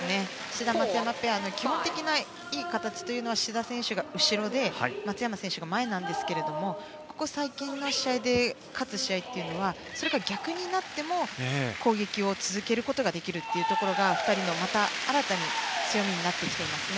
志田、松山ペアの基本的ないい形は志田選手が後ろで松山選手が前なんですけどもここ最近、勝つ試合というのはそれが逆になっても攻撃を続けることができるというところが２人のまた新たな強みになってきています。